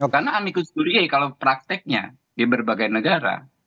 karena amicus curiae kalau prakteknya di berbagai negara